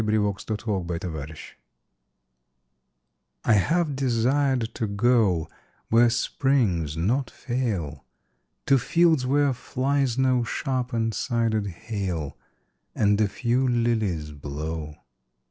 HOPWOOD I HAVE DESIRED TO GO I HAVE desired to go Where springs not fail, To fields where flies no sharp and sided hail, And a few lilies blow.